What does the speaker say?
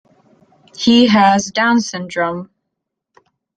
He has Down syndrome.